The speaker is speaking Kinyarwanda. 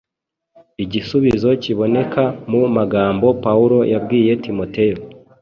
Igisubizo kiboneka mu magambo Pawulo yabwiye Timoteyo